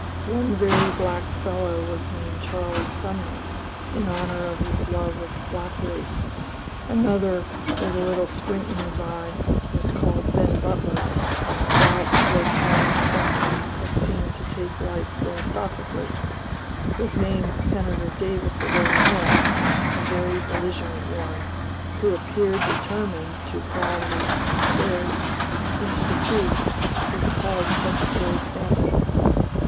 One very black fellow was named Charles Sumner, in honor of his love of the black race; another, with a little squint in his eye, was called Ben Butler; a stout, rotund specimen that seemed to take life philosophically, was named Senator Davis of Illinois; a very belligerent one, who appeared determined to crowd his confrères into the sea, was called Secretary Stanton.